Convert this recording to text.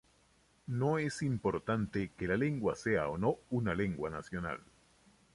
No es importante que la lengua sea o no una lengua nacional.